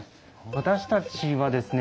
私たちはですね